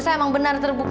tak ada ke lorek